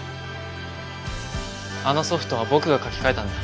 あのソフトは僕が書き換えたんだ。